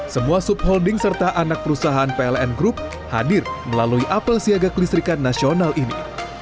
semua subholding serta anak perusahaan pln group hadir melalui apel siaga kelistrikan nasional ini